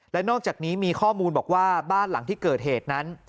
และนอกจากนี้มีข้อมูลบอกว่าบ้านหลังที่เกิดเหตุนั้น